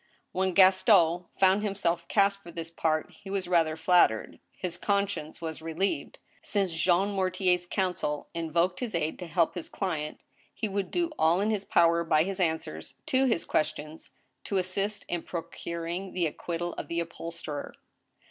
When Gaston found himself cast for this part, he was rather flat tered. His conscience was relieved. Since Jean Mortier's counsel invoked his aid to help his client, he would do all in his power by his answers to his questions to assist in procuring the acquittal of the upholsterer.